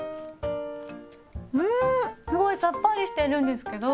うんすごいさっぱりしてるんですけど。